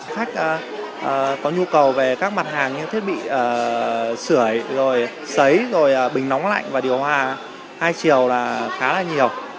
khách có nhu cầu về các mặt hàng như thiết bị sưởi sấy bình nóng lạnh và điều hòa hai chiều là khá là nhiều